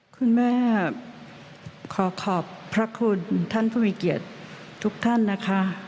คุณแม่ขอขอบพระคุณท่านผู้มีเกียรติทุกท่านนะคะ